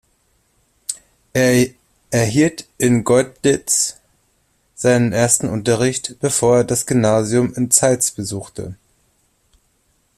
Er erhielt in Colditz seinen ersten Unterricht, bevor er das Gymnasium in Zeitz besuchte.